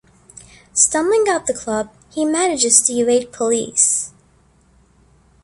Stumbling out the club, he manages to evade police.